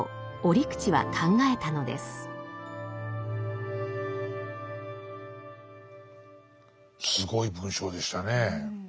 すごい文章でしたねえ。